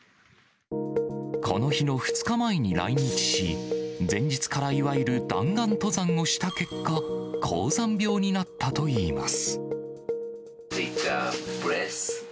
この日の２日前に来日し、前日からいわゆる弾丸登山をした結果、高山病になったといいます。